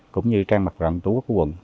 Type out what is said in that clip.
cũng như trang mặt rộng tổ quốc quận